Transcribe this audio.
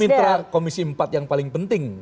mitra komisi empat yang paling penting